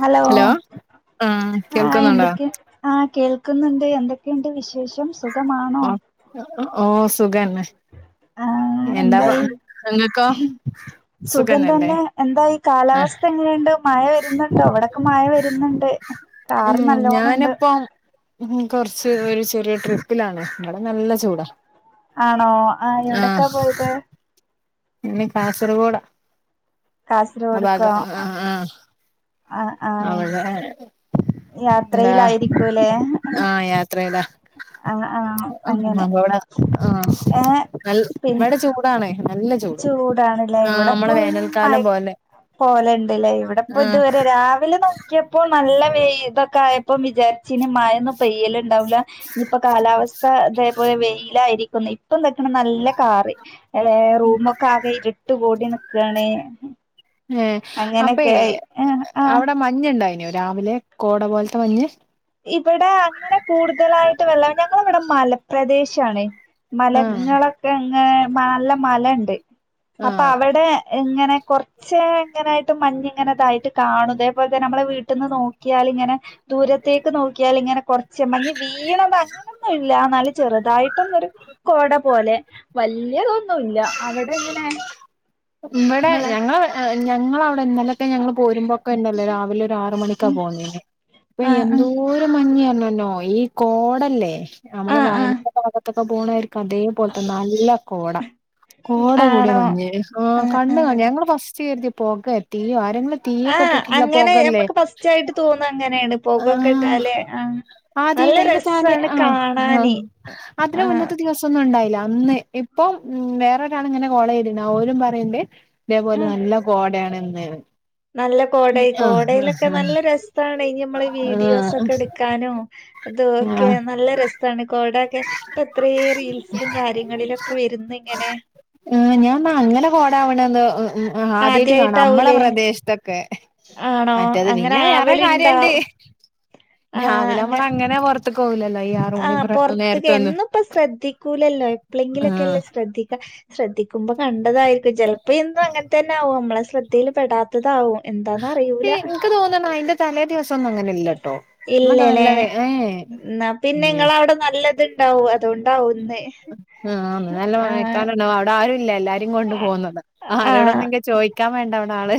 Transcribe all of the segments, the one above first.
Hello ആഹ് ആ കേൾക്കുന്നുണ്ടോ എന്തക്കെ ആ കേൾ ക്കുന്നുണ്ട് എന്തൊക്കെണ്ട് വിശേഷം സുഖമ അ ഒ ഒ സുഖന്നെ. ആ എന്താ പ എന്തായി ഇങ്ങക്കോ? സുഖം തന്നെ എന്താ ഇ കാലാവസ്ഥ എങ്ങനെണ്ട് മഴ വരുന്നുണ്ടോ? ഇ വിടൊക്കെ മഴ വരുന്നുണ്ട്. ഉം കാറ് നല്ലോണണ്ട് ഞാനിപ്പം. ഉം കൊറച്ച് ഒരു ചെറിയ ട്രിപ്പിലാണ്. ഇവടെ നല്ല ചൂടാ. ആണോ ആ എവിടെക്കാ പോയത്? ഇനി കാസർഗോഡ അ ഭാഗം കാസർഗോഡ്ക്കോ ആ ആആ ആ ആ അവടെ. എന്താ യാത്രയിലായിരിക്കൂല്ലേ ആ യാത്രയില. ആ ആ അങ്ങനെ നമ്മളെവിടെ അ നൽ ഇവടെ ചൂട. ചൂടാണ് ലെ നമ്മളെ ഇവിടെപ്പം വേനൽക്കാലം മയ് പോലെ പോലണ്ടിലേ ഇവിടെപ്പോ ആഹ് ഇതുവരെ രാവിലെ നോക്കിയപ്പോ നല്ല വൈ ഇതൊക്കെയ ഇപ്പം വിചാരിച്ചിനി മഴൊന്നും പെയ്യല് ണ്ടാവില്ല ഇഞ്ഞിപ്പോ കാലാവസ്ഥ ഇ തേപോലെ വെയിലായിരിക്കും. ഇപ്പൊന്തെക്ക ന്ന നല്ല കാറ്എളേ റൂ മ്മക്ആകെ ഇരുട്ടു കൂടി നിക്കണേ. ഏ അപ്പേ ആഹ് അവടെ മഞ്ഞ് ഇണ്ടായിനോ രാവിലെ കോട പോലത്തെ മഞ്ഞ്. ഇവിടെ അങ്ങനെ [inaudible] ഞങ്ങളിവിടെ മലപ്രദേശാണ് ആഹ് മലങ്ങളൊക്കെ അങ്ങ നല്ല മലണ്ട് അപ്പൊ ആഹ് അവിടെ ഇങ്ങനെ കൊറച്ച് ഇങ്ങനായിട്ട് മഞ്ഞ് ഇങ്ങനതായിട്ട്. കാണുതേപോലതെന്നെ. നമ്മളെ വീട്ടിന്ന് നോക്കിയാൽ ഇങ്ങനെ ദൂരെ ത്തേക്ക് നോക്കിയാല് ഇങ്ങനെ കൊറച്ച് മഞ്ഞ് വീണത് അങ്ങനൊന്നും ഇല്ല എന്നാല് ചെറുതായിട്ടൊന്നരു കോ അവിടെ പോലെ വലിയതൊന്നുമല്ല അവിടെ എങ്ങനെ ഇവിടെ ഇങ്ങളെ ഞങ്ങൾ ഞങ്ങളവിടെ ഇന്നലൊക്കെ ഞങ്ങൾ പോരുമ്പൊക്കെണ്ടല്ലോ രാവിലെ ഒര് ആ ക്ക ഉം പോന്നേന്ന് ഇപ്പൊ ആഹ് ആഹ് എന്തോരം മഞ്ഞഞ്ഞ്ഞോന്നോ ഈ കോടല്ലേ നമ്മള് ആഹ് ആഹ് വയനാട് ഭാഗത്തൊക്കെ പോകണായിരിക്കും. അതേപോലത്തെ നല്ല കോട. കോട കൂടിയ ആണോ മഞ്ഞേ ആ ആഹ് കണ്ണ് ആഹ് ഞങ്ങള് ഫസ്റ്റ് കരുതിയ പുക തീയാ ഞങ്ങൾ തീയൊക്കെ ആഹ് ഇട്ടിട്ടില്ല അങ്ങനെ പൊകല്ലേ നമ്മക്ക് ഫസ്റ്റായിട്ട് തോന്നാ അങ്ങനേണ്. ആ പൊകൊക്കെട്ടാല് ആഹ് നല്ല ആദ്യായിട്ട് അതിന്റെ താലെ രസാണ് ആ ആ കാണാന്. അതിന് ആഹ് മുന്നത്തെ ദിവസം ഒന്നും ഉണ്ടായില്ല. അന്ന് ഇപ്പം ഉം വേറൊരാളിങ്ങനെ കോളേതീന്നു ഓരും പറയേണ്ട് ഇതേപോലെ ഉം നല്ല കോടയാണ്ന്ന്. നല്ല കോട ആഹ് കോടയിലൊക്കെ ആഹ് നല്ല രസാണെയ് നമ്മള് ആഹ് വീഡിയോസൊക്കെ എടുക്കാനും അത് ഓക്കെ ആഹ് നല്ല രസാണ് കോ ടൊക്കെ ഇപ്പൊ എത്രെ റീൽസിലും കാര്യങ്ങളിലൊക്കെ വരുന്നിങ്ങനെ ഞാൻ അങ്ങനെ കോടാവണ ഉം ആ ആദ്യയിട്ട് കാണാ നമ്മുടെ ആദ്യായിട്ടാവൂലേ? പ്രദേശത്തൊക്കെ. ആണോ? മറ്റേത് അങ്ങനെ പിന്നെ വേറെ കാര്യണ്ട് ആവല്ണ്ടാവും. ആഹ് രാവിലെ അങ്ങ നമ്മളങ്ങനെ പൊറ ത്ത്ക്കോവൂല്ലല്ലോ ഈ ആറ് മണി പ്ര ത്ക് നേരത്തൊന്നും എന്നിപ്പോ ശ്രദ്ധിക്കൂലല്ലോ ആഹ് എപ്പോഴെങ്കിലൊക്കെല്ലേ ശ്രദ്ധിക്ക ശ്രദ്ധിക്കുമ്പോ കണ്ടതായി ചിലപ്പോയന്നും അങ്ങനെതന്നെവും നമ്മളെ ശ്രദ്ധയിൽ പെടാത്തതാകും. എനിക്ക് തോന്ന്ണ് അതിന്റെ തലേ ദിവസ ഒന്നും അങ്ങനെ ഇല്ലട്ടോ ഇന്നൊക്കെ നല്ല ഇല്ലലേ ഏ ന്നാ പിന്നെ എ ഇങ്ങളവിടെ നല്ലത്ണ്ടാവും അതോണ്ടാവും ന്ന് ആ അ നല്ല ആഹ് മയക്കാനണ്ടാവും അവിടെ ആരു ഇല്ല എല്ലാരും കൊണ്ടു പോന്നതാ ആഹ് ആരോടന്നെങ്കിലും ചോദിക്കാൻ വേണ്ടവവിടെ ആള്.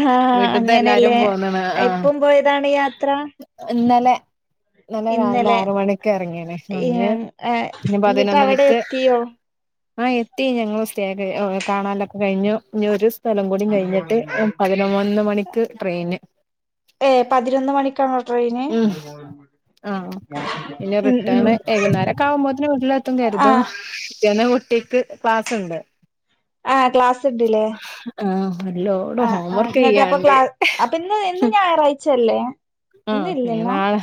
ആഹ് വീട്ട്ത്തെ എല്ലാരും അങ്ങനെല്ലേ പോന്നാണ് ആഹ് എപ്പം പോയതാണ് യാത്ര ഇന്നലെ. ഇന്നലെ രാവിലെ ആറ് മണിക്ക് ഇറങ്ങിയേനെ ഇഞ്ഞ് ഏഹ് ഏഹ് ഇനി എന്നിട്ട് അവിടെ പതിനൊന്നണിക്ക് എത്തിയോ ആഹ് എത്തി ഞങ്ങളെ [inaudible] കാണാനൊക്കെ കഴിഞ്ഞു. ഇനി ഒരു സ്ഥലം കൂടി കഴിഞ്ഞിട്ട് പതിനൊന്നുമണി നിക്ക് ട്രെയിന് ഏ പതിനൊന്ന് മണിക്കാണോ ട്രെയിന്? ഉം ആഹ് പിന്നെ ഉം ഉം റിട്ടേണ്, വൈകുന്നേരൊക്കാവുമ്പോത്തിന് വീട്ടിലെത്തുംന്ന് കരുതന്ന്. ആഹ് ച്ചെന്റെ കുട്ടിക്ക് ക്ലാസുണ്ട്. ആഹ് ക്ലാസ്ണ്ട്ല്ലേ ആ ഒരുലോഡ് ആ ആ ഹോംവർക്ക് എന്നിട്ട് ചെയ്യാ അപ്പൊ ക്ലാസ് ഇന്ന് ഇന്ന് ഞായറാഴ്ച അല്ലേ? ആഹ് ഇനി ഇന്നില്ലല്ലോ നാളെ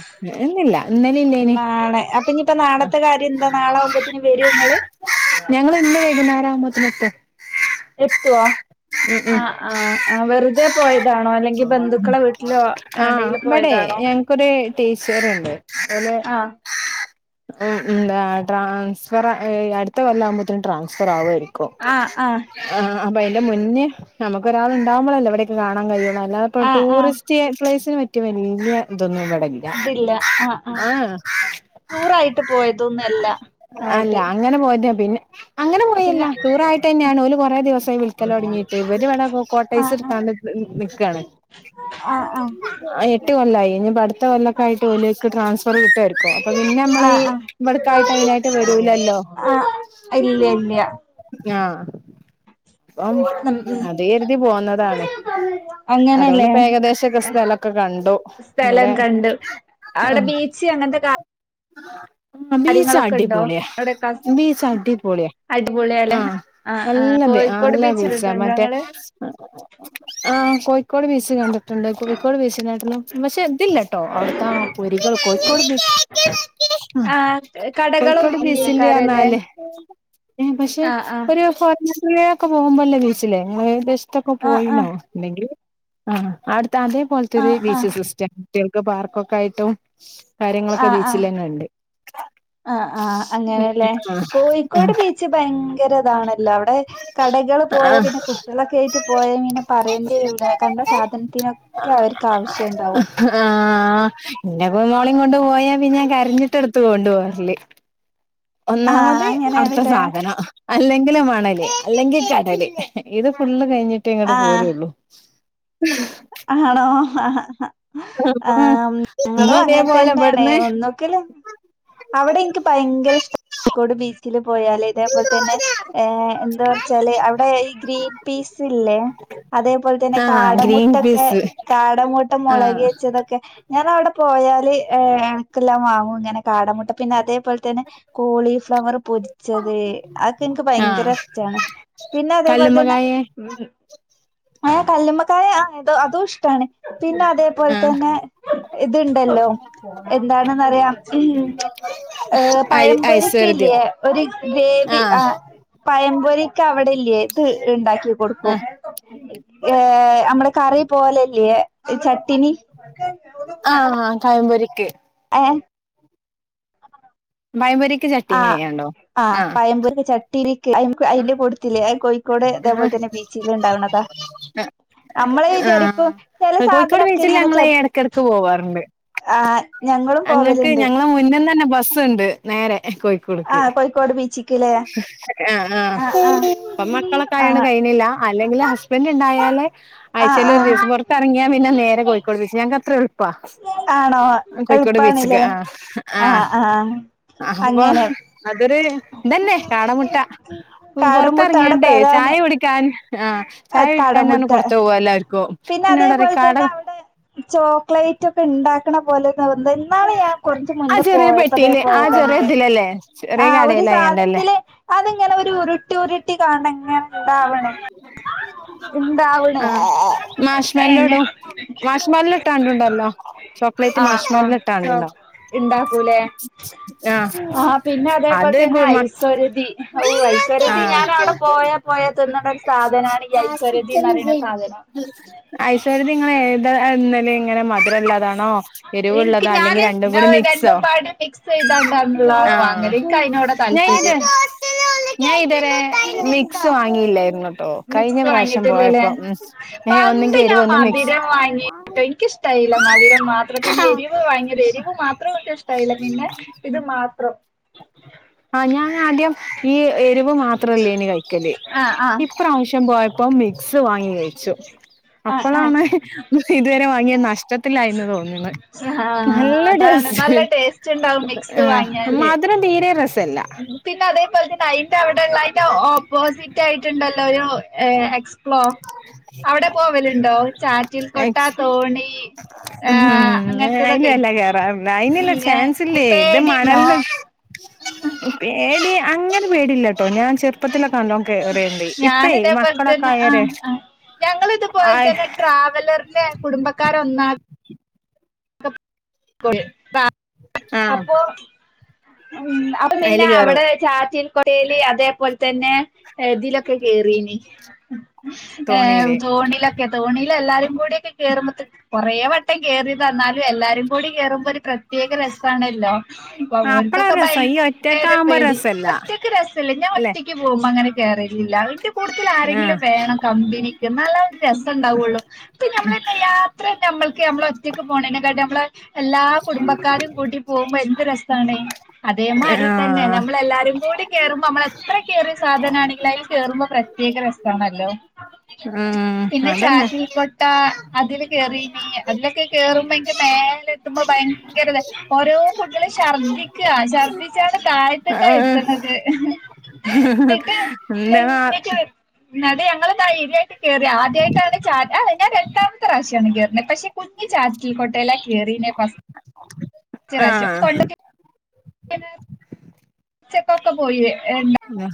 ഇന്നില്ല ഇന്നലെ ഇല്ലേനി ആഹ് നാളാകുമ്പത്തിന് വരോ ങ്ങള് ഞങ്ങള് ഇന്ന് വൈകുന്നേരാകുമ്പത്തിന് എത്തും. എത്തുവോ? ആ ആ വെറുതെ പോയതാണോ അല്ലെങ്കിൽ ബന്ധുക്കളെ വീട്ട് ഇവിടെ ഞങ്ങക്കൊരു ടീച്ചറുണ്ട് ഓലെ ആഹ് ഉം ഉം എന്താ ട്രാൻസ്ഫർ ഏയ് അടുത്ത കൊല്ലാവുമ്പത്തിനും ക്കും. ആഹ് ആഹ് ആ അപ്പൊ അയിന്റെ മുന്നേ നമ്മക്കൊരാൾ ഉണ്ടാകുമ്പോളല്ലേ ഇവിടൊക്കെ കാണാൻ കഴിയൊള്ളു. അല്ലാതെപ്പൊ ആഹ് ആഹ് ടൂറിസ്റ്റ് പ്ലേസിന് പറ്റിയ വല്യ ഇതൊന്നും വടെല്ല ആഹ് ടൂറായിട്ട് പോയതൊന്നല്ല അല്ല അങ്ങനെ പോയത് പിന്നെ അങ്ങനെ പോയല്ല ടൂർ ആയിട്ടെന്നെയാണ് ഓല് കുറേ ദിവസായി വിളിക്കലോടങ്ങീട്ട് ഇവര് ഇവിടെ കോട്ടൈസ്ടുത്താണ്ട് നിക്കാണ് ആ ആ ആ എട്ട് കൊല്ലായി ഞി അട്ത്ത കൊല്ലക്കായ്ട്ട് ഓലേക്ക് ട്രാൻസ്ഫറ് കിട്ടായ്രിക്കൊ അപ്പ പിന്നെ അമ്മളീ വട്ക്കായ്ട്ട് അയ്നായ്ട്ട് വരൂല ആ അ ഇല്ല ഇല്ല്യ [inaudible] പ്പം അത് കെര്തി പോന്നതാണ് അതോണ്ട് അങ്ങനെല്ലേ പ്പ ഏകദേശൊക്ക സ്ഥലം ക്ക കണ്ടു സ്ഥലം ഇവടെ കണ്ടു അവിടെ ഉം ബീച്ച് അങ്ങനത്തെ അ ബീച്ച് കാര്യങ്ങളൊക്കെ ഉണ്ടോ അടിപൊളിയാ അവിടെക്കെ ബീച്ച് അടിപൊളിയ ആ അടിപൊളിയല്ലേ ആഹ് ആഹ് നല്ല ബി കോഴിക്കോട് അല്ല ബീച്ച് ബീച്ചാ കണ്ടിട്ടുണ്ടോ മറ്റേ ഇങ്ങള് ആ കൊയ് കോട് ബീച്ച് കണ്ട്ട്ട് ക്കോട് ബീച്ച്നേട്ടളും പക്ഷെ ഇതില്ലട്ടോ അവ്‌ട്ത്താ പൊരികൾ കോയ്ക്കോട് ബീ ആഹ് ആ എ കടകളൊന്നുല്ലെയ്കാരലെ എ പക്ഷെ ഒരു [unintelligible] ക്കൊ പോവുമ്പല്ല ബീച്ചില്ലെ [unintelligible] ത്തൊക്ക പോയീണോ ആഹ് ഇണ്ടെങ്കിൽ ആ ആട്ത്ത അതേ പോൽത്തൊരു ആഹ് ബീച്ച് ആഹ് സിസ്റ്റ കുട്ടിയേൾക്ക് പാർക്കൊക്കായിട്ടും കാര്യങ്ങളൊക്കെ ബീച്ചിലെന്നെ ണ്ട് ആ ആ അങ്ങനെല്ലേ കോഴിക്കോട് ആഹ് ബീച്ച് ഭയങ്ങ് ങ്കരതാണല്ലോ അവ്ടെ കടകള് പോയാ ആഹ് പിന്നെ കുട്ടിയേളൊക്കെയ്റ്റ് പോയാ ഇങ്ങനെ പറയണ്ട്യേരൂല കണ്ട സാധൻത്തിനൊക്കെ അവര്ക്കാവ് ആ ഇൻ്റെ പ്പൊ മോളിം കൊണ്ട് പോയാ പിന്നെ ഞാൻ കരഞ്ഞ് ട്ട്‌ട്ത്തു ഒണ്ട് ഓര്ല് ആഹ് ഒന്നാമത് അവ്ട്ത്ത അങ്ങനെയാണ്ല്ലേ സാധന അല്ലെങ്കില് മണല് അല്ലെങ്കി കടല് ഇത് ഫുള്ള് കെയ്ഞ്ഞിട്ടെ ഇങ്ങട്ട് ആഹ് പോരൂള്ളു. [inaudible] ആണോ ആ ഞങ്ങളു ഇന്ന് അതേപോലെ അങ്ങൻതന്നെണേ ഇവിടുന്ന് ഒന്നുകിലും അവ്ടെ ഇൻക്ക് ഭയങ്കര ഇഷ്ടാ കോഴിക്കോട് ബീച്ചിലും പോയാല് തേപോൽതെന്നെ ഏ എന്താ വച്ചാല് അവ്ടെ ഈ ഗ്രീൻ പീസ് ഇല്ലേ അതേപോൽതന്നെ ആഹ് ഗ്രീൻ കാടമുട്ടൊക്കെ പീസ് കാടമുട്ട ആഹ് മൊളകേച്ചതൊക്കെ ഞാൻ അവ്ടെ പോയാ ല് ഏ ക്കെല്ലാം വാങ്ങും ങ്ങനെ കാടമുട്ട പിന്നെ അതേപോൽ തെന്നെ കോളീഫ്ലവറ് പൊരിച്ചത് അതെൻക്ക് ഭയങ്കര ആഹ് ഇഷ്ടാണ് പിന്നെ അതേപോൽതന്നെ കല്ലുമ്മക്കായ ആ കല്ലുമ്മക്കായ ആ എതൊ അതു ഇഷ്ടാണ് പിന്നെ ആഹ് അതേപോൽതെന്നെ ഇത്ണ്ടല്ലോ എന്താണ്ന്നറിയാം ഉം ഏ ഐ ഐശ്വര്യതയോ പയമ്പൊരിയൊക്കെല്ലെ ഒരു വേവി ആഹ് ആ പ പയംപൊരിക്കവടെ ല്ല്യേ ത് ണ്ടാക്കി കൊടുക്കും ആഹ് ഏ അമ്മള് കറി പോലെല്ല്യേ ആ ആ പയംപൊരി എ ബയംപൊരിക്ക് ആഹ് ചട്ടീനെയാ ഉണ്ടാവൂ. ആ ആ ക്ക് അയ്ൻക്ക് അയ്ന് കൊട്ത്തിലേ ആ കോയ്ക്കോട് ആഹ് തേപോൽതെന്നെ ബീച്ചില് ണ്ടാവ്ണതാ ആ കോയ്ക്കോട് ബീച്ചില് ഇങ്ങനെ ഞങ്ങള് ച എടക്കെടക്ക് പോവാറ്ണ്ട് ആഹ് ഞങ്ങളും അങ്ങക്ക് പോവല്ണ്ട് ഞങ്ങളെ മുന്നിന്നെന്നെ ബ സ്സ്ണ്ട് നേരെ കോയ്ക്കോട്ക്ക് ആഹ് കോഴിക്കോട് ബീച്ചിക്ക്ല്ലേ ആ ആ ആഹ് ആഹ് പ്പ മക്കളൊക്കെ ആയോണ്ട് ആഹ് കെയ്ണില്ല അല്ലെങ്കില് ഹസ്ബൻ്റ് ണ്ടായാൽ ല് ആഹ് ആയ്ചേല് ഒരു ആഹ് ദിവസം പൊർത്തറങ്ങിയാ പിന്നെ നേരെ കോയിക്കോട് ബീച്ച് ഞങ്ങക്ക് അത്രേയൊള്ള് പ്പാ ആണോ ആൻ കോയ്ക്കോട് ബീച്ചിക്ക് എളുപ്പാണ്ല്ലേ ആ ആ ആഹ് ആഹ് അഹ് കൊഹ് അങ്ങനെ അതൊര് അല്ലെ കാടമുട്ട ഉം കാടമുട്ട അവിടെ പൊർത്തർങ്ങിയാണ്ടെയ് പ്രധാന ചായ കുടിക്കാൻ ആ ചായ കുടിക്കാന് പർഞ്ഞ് കാടമുട്ട പൊർത്തോവ എല്ലാർക്കു പിന്നെ അതേപോൽതെന്നെ അവ്ടെ ചോക്ലേറ്റ് ഒക്കെ ണ്ടാക്ക്ണ പോലെ ന്തോ ഇന്നാള് ഞാൻ കൊർച്ച് ആ മുന്നെ ചെറിയ പോയപ്പൊ തേ പെട്ടിയില് ആ പോലെ ചെറിയ കണ്ട് ഇതിലല്ലേ ചെറിയ ആഹ് ഒരു കടയിലായണ്ടല്ലേ സാധനത്തില് അതിങ്ങനെ ഒരു ഉരുട്ടി ഉരുട്ടി കാണങ്ങനെ ആ അവണെ ആഹ് മാഷ്മല്ലോടും. മാഷ്മല്ലോ ഇട്ടാണ്ടുണ്ടല്ലോ. ചോക്ലേറ്റ് ആഹ് ആഹ് മാഷ്മല്ലോ ചോ ഇട്ടാണ്ടിണ്ടൊ? ഇണ്ടാക്കൂലേ ആഹ്. പിന്നെ അതേപോലെ അത് തന്നെ ഗുമ ഐസ്വരതി ഔ ഐസ്വരതി ആഹ്. ഞാൻ അവിടെ പോയ പോയാ തിന്നണ ഒരു സാധനാണ് ഈ ഐസ്വരതിന്ന് പറയണ സാധനം ആയിഷേ നിങ്ങളേതാ ലെ ഇങ്ങനെ മധു ട്ടള്ളതാണോ, എനിക്ക് എരിവുള്ളതാ, അല്ലെങ്കി ഞാന് രണ്ടും കൂടി മിക്സോ, രണ്ടും പാട് മിക്സ് ചെയ്താണ്ടാണുള്ളതാണ് ആഹ് അ വാങ്ങല് എനിക്ക് അതിനോടാ ഞഇത് താല്പര്യം ഞാ ഇതൊരെ മിക്സ് വാങ്ങില്ലായിരുന്നു. മിക്സ് വാങ്ങിട്ടില്ലല്ലേ. ഏഹ് പണ്ട് ഒന്നെങ്കി ഞാ എരിവ് ഒന്ന് മധുരം മിക്സ് വാങ്ങിപ്പനിക്കിഷ്ടായി. ല്ല മധുരം മാത്രംപിന്നെ, എരിവ് വാങ്ങിയത് എരിവ് മാത്രം, ഒക്കെ ഇഷ്ടായില്ല. പിന്നെ ഇത് മാത്രം ആഹ് ഞാൻ ആദ്യം ഈ എരിവ് മാത്രല്ലേന് കഴിക്കല്, ആഹ് ആഹ് ഇപ്രാവശ്യം പോയപ്പോ മിക്സ് വാങ്ങി കഴിച്ചു. ആഹ് ആഹ് അപ്പളാണ് ഇതുവരെ വാങ്ങിയ നഷ് ട്ടത്തിലായിന്ന് തോന്നിന്നു, ആഹ് നല്ല അതാണ് ടെസ്റ്റ്. നല്ല ടേസ്റ്റ് ഉണ്ടാവും മിക്സ് ആഹ് വാങ്ങിയാല് മാദ് രം തീരെ രസല്ല. ടൈന്റെ അവിടെള്ളായിട്ട് ഓപ്പോസിറ്റായിട്ടുണ്ടല്ലോ ഒരുഎക്സ് മ്പോ അവിടെ പോവലുണ്ടോ? ചാറ്റിൽ കൊട്ടാ തോണി. ഉം ആഹ് അയില അങ്ങനത്തതൊക്കെ അല്ല കേറ അയിനല്ല ഇല്ല ചാൻസ് ഇല്ലേ ദ മണൽ പേടിണ്ടോ ഉം പേടി അങ്ങനെ പേടില്ലട്ടോ ഞാ ചെറുപ്പത്തിലൊക്കെ നല്ലോം കേറിയണ്ട് ഇപ്പെ മക്കളൊക്കെ ആയോരെ ആ ഞങ്ങള് ഇതുപോലെതന്നെ ട്രാവലറിന്റെ കുടുംബക്കാര ഒന്നാ ആഹ് അപ്പൊ ഉം അപ്പൊ പിന്നെ അയില് കേറും അവിടെ ചാറ്റി മുട്ടെല് അതേപോലെ തന്നെ ഇതിലൊക്കെ കേറീന്. ഏ തോണിയില് തോണിലക്കെ തോണി എല്ലാരും കൂടക്കെ കേറുമ്പോ കുറേ വട്ടം കേയറിയതന്നാലും എല്ലാരും കൂടി കേറുമ്പോ ഒരു പ്രത്യക ര ണല്ലോ അപ്പളാ ഇപ്പൊഓര്ക്കൊക്കെ രസം ഈ ഭയങ്കര ഒറ്റക്കാവുമ്പോ പേടി. രസല്ല ഒറ്റക്ക് രസല്ല ഞാൻ അല്ലെ ഒറ്റക്ക് പോകുപ്പോ അങ്ങനെ ഇല്ല അയിന്റെ കൂട്ടത്തിൽ ആരെങ്കിലും ആഹ് വേണം കമ്പിനിക്ക് എന്നാലേ ഒരു രസണ്ടാവുള്ളൂ. ഇപ്പൊ ഞമ്മളെന്തായ്യ യാത്ര നമ്മൾക്ക് നമ്മളോറ്റയ്ക്ക് പോണെനെക്കാട്ടി നമ്മള് എല്ലാ കുടുംബക്കാരും പോവുമ്പോ എന്ത് രസാണ്. അതേ മായിരി തന്നെ ആഹ് നമ്മളെല്ലാരും കൂടി കേറുമ്പോ നമ്മള് എത്ര കേയറിയ സാധനണെങ്കി അതിൽ കേറുമ്പോ പ്രത്യേക രസണല്ലോ. ഉം പിന്നെ അതന്നെ ചാക്കിൽ കൊട്ട അതില് കേറിനി അതിലൊക്കെ കേറുമ്പോ എനിക്ക് മേലെത്തുമ്പോ ഭയങ്കര ഓരോ കുട്ടികളും ഛർദിക്കുക ഛർദിച്ചാണ് താഴ്ത്തക്കെഎത്തുന്നത്. എന്നാ ന്നട്ട് ഞങ്ങള് ദയിരിയായിട്ട് കേറി. ആദ്യയിട്ടാണ് ച ഞാൻ രണ്ടാമത്തെ പ്രാവശിയാണ് കേറണേ പക്ഷെ കുഞ്ഞു ചാ ട്ടിക്കൊട്ടെ ലെ കേറീനെ ഫസ്റ്റ് റാശ്യം. ആഹ് കൊണ്ടോ [unintelligible] ക്കൊക്കെ പോയി. ആ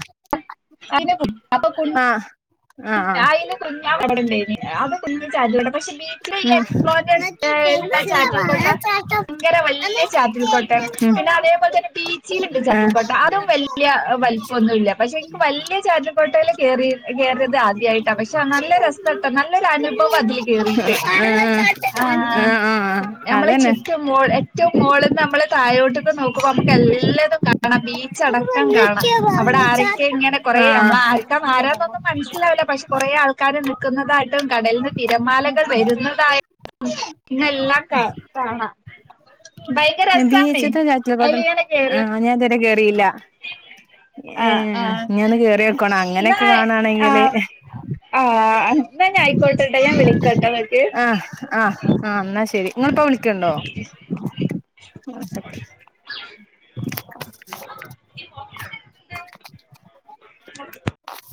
അയിനെ അപ്പൊ കൊ ആഹ് അയിന് കുഞാവവിട ഉണ്ടായേനി അത് കുഞ് ചാരി പക്ഷെ ബീച്ചിൽ ഈ ഉം എക്സ്പ്ലോർ ചെയ് എല്ലാ ചാറ്റിൽ കോട്ട ഭയങ്കര വലിയ ചാറ്റിൽക്കൊട്ട ഉം പിന്നെ അതേപോലെ തന്നെ പീച്ചിലൊണ്ട് ആഹ് പാട്ടിൽക്കൊട്ട അതും വല്യ വലിപ്പൊന്നും ഇല്ല. പക്ഷെ എനിക്ക് വല്യ ചാറ്റിൽ കോട്ടെല് കേറി റണത് ആദ്യായിട്ട പക്ഷെ നല്ല രസട്ട നല്ലൊരു അനുഭ അതില് കേറീട്ട്. ആഹ് ആ ആഹ് ഞമ്മളെ അതന്നെ ചുറ്റുംമൊ ഏറ്റോം മോളന്ന് നമ്മള് തായോട്ടക്ക് നോക്കുമ്പോ നമ്മുക്ക് എല്ല ല്ലതും കാണാം. ബീച്ചടക്കം കാണാം. അവിടെ ആരക്കെ ഇങ്ങനെ കൊറേ നമ്മള് ആഹ് ആരക്കാ ആരന്നൊന്നും മനസ്സിലാവില്ല പക്ഷെ കുറേ ആൾക്കാര് നിൽക്കുന്നത് കടല്ന്ന് തിരമാലകൾ വരുന്നതായാലും ഇന്നെല്ലാം കാണാം ഭയങ്കര ബി രസാണേ എച്ച് ത്തെ ചാറ്റിലക്കോട്ട അയിലിങ്ങനെ ആ കേറിയ ഞാൻ ഇത് വരെ കേറിയില്ല ഏ ആഹ് ആഹ് ഇഞ്ഞി ഒന്ന് കേറി നോക്കണം ഇന്നാ അങ്ങനെയൊക്കെ കാണാണെങ്കില് [inaudible] ആഹ് ആഹ് എന്നാ ഞാ ആയിക്കോട്ടെട്ടോ ഞാൻ വിളിക്കട്ടോ ഇങ്ങക്ക് ആ ആ ആ എന്നാ ശരി ഇപ്പൊ വിളിക്ക്‌ണ്ടോ [inaudible]